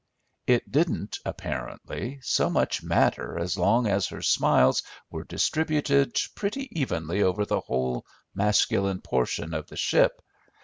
It didn't, apparently, so much matter as long as her smiles were distributed pretty evenly over the whole masculine portion of the ship.